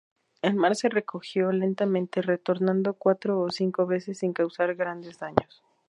El mar se recogió lentamente, retornando cuatro o cinco veces sin causar grandes daños.